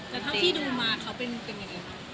แต่ทั้งที่ดูมาเขาเป็นอย่างยังไง